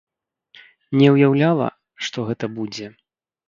Не ўяўляла, што гэта будзе.